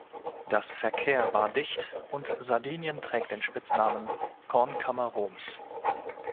Das Verkehr war dicht und Sardinien trägt den Spitznamen „Kornkammer Roms“.